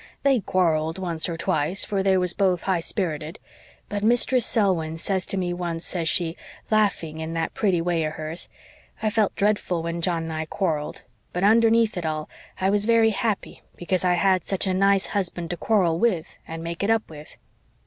They quarrelled once or twice, for they was both high sperrited. But Mistress Selwyn says to me once, says she, laughing in that pretty way of hers, 'I felt dreadful when John and I quarrelled, but underneath it all I was very happy because I had such a nice husband to quarrel with and make it up with.'